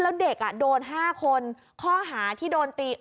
แล้วเด็กโดน๕คนข้อหาที่โดนตี